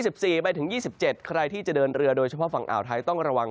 ๒๔ไปถึง๒๗ใครที่จะเดินเรือโดยเฉพาะฝั่งอ่าวไทยต้องระวัง